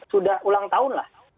sudah ulang tahun lah